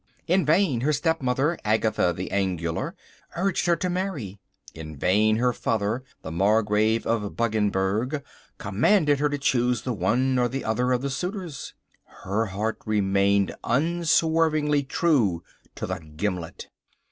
In vain her stepmother, Agatha the Angular, urged her to marry. In vain her father, the Margrave of Buggensberg, commanded her to choose the one or the other of the suitors. Her heart remained unswervingly true to the Gimlet.